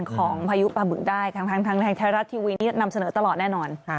พายุปลาบึกได้ทางไทยรัฐทีวีนี้นำเสนอตลอดแน่นอน